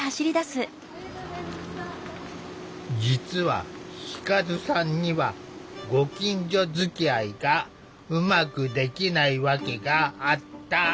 実は輝さんにはご近所づきあいがうまくできない訳があった。